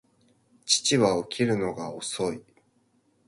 父は起きるのが遅い